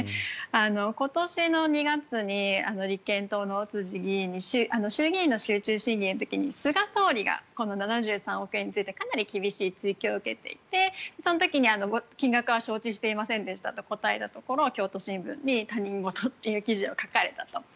今年の２月に立憲民主党の議員に衆議院の集中審議の時に菅総理が７３億円についてかなり厳しい追及を受けていてその時に金額は承知していませんでしたと答えたところ京都新聞に他人事という記事を書かれたと。